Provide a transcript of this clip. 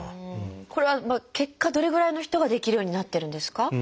これは結果どれぐらいの人ができるようになってるんですか？